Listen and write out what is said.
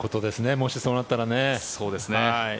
もしそうなったらね。